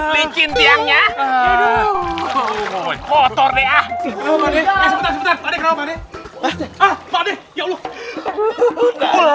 licin tiangnya motornya sebetulnya